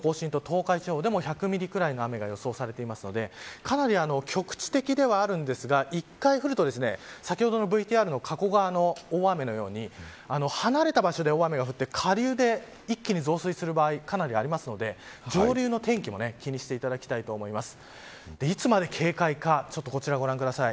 関東甲信と東海地方でも１００ミリぐらいの雨が予想されているのでかなり局地的ではあるんですが１回降ると先ほどのＶＴＲの加古川の大雨のように離れた場所で大雨が降って下流で一気に増水する場合がかなりあるので上流の天気も気にしていただきたいと思います。